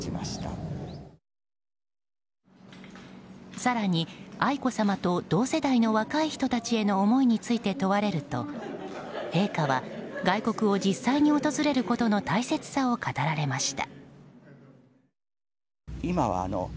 更に、愛子さまと同世代の若い人たちへの思いについて問われると陛下は外国を実際に訪れることの大切さを語られました。